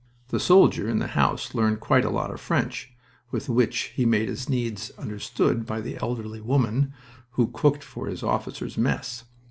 The soldier in the house learned quite a lot of French, with which he made his needs understood by the elderly woman who cooked for his officers' mess.